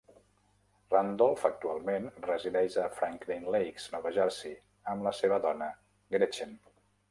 Randolph actualment resideix a Franklin Lakes, Nova Jersey, amb la seva dona Gretchen.